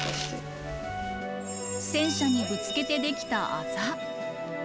戦車にぶつけて出来たあざ。